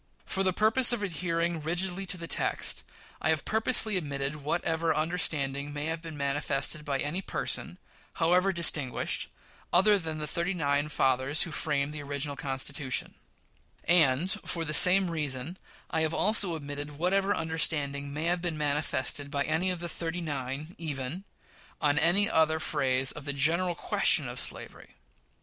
For the purpose of adhering rigidly to the text, I have purposely omitted whatever understanding may have been manifested by any person, however distinguished, other than the thirty nine fathers who framed the original Constitution; and, for the same reason, I have also omitted whatever understanding may have been manifested by any of the "thirty tine" even on any other phase of the general question of slavery.